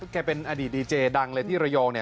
แกเป็นอดีตดีเจดังที่ระยอง